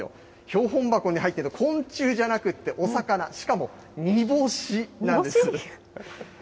標本箱に入っている昆虫じゃなくてお魚、しかも煮干しなんです。